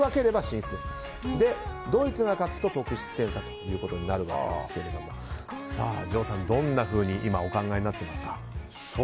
ドイツが勝つと得失点差ということになるわけですが城さん、どんなふうにお考えになっていますか？